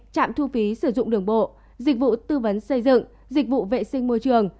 trạm thu phí sử dụng đường bộ dịch vụ tư vấn xây dựng dịch vụ vệ sinh môi trường